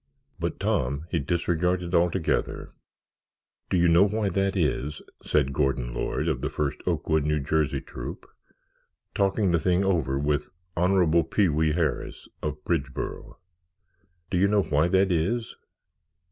But Tom he disregarded altogether. "Do you know why that is?" said Gordon Lord, of the First Oakwood, N. J., Troop, talking the thing over with Honorable Pee wee Harris, of Bridgeboro. "Do you know why that is?"